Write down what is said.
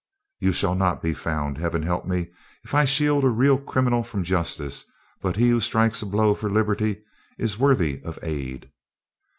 "You shall not be found. Heaven help me, if I shield a real criminal from justice; but he who strikes a blow for liberty is worthy of aid."